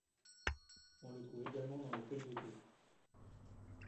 On le trouve également dans les feuilles de thé.